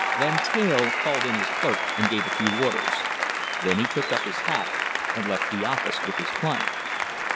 Van Teyl called in his clerk and gave a few orders. Then he took up his hat and left the office with his client.